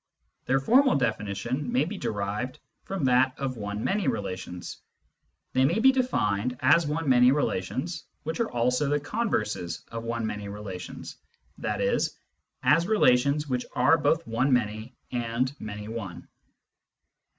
Their formal definition may be derived from that of one many relations : they may be defined as one many relations which are also the converses of one many relations, i.e. as relations which are both one many and many one.